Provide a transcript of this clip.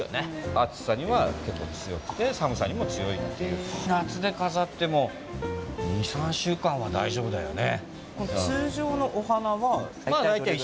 暑さにも結構、強くて寒さにも強いっていう夏で飾っても２、３週間は大丈夫だよね。